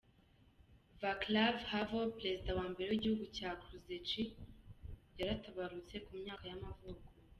Václav Havel, perezida wa mbere w’igihugu cya Czech yaratabarutse, ku myaka y’amavuko.